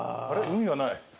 海はない？